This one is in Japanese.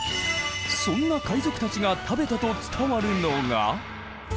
そんな海賊たちが食べたと伝わるのがこの水軍鍋。